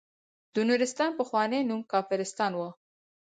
د نورستان پخوانی نوم کافرستان وه.